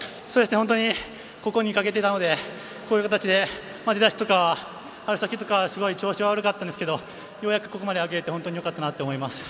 本当にここにかけていたので出だしとかは、春先は調子が悪かったんですけどようやくここまで上げられて本当によかったなって思います。